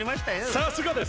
さすがです。